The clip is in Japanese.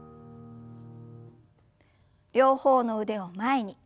両方の腕を前に。